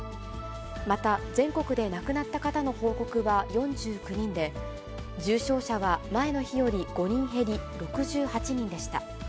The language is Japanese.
また、全国で亡くなった方の報告は４９人で、重症者は、前の日より５人減り６８人でした。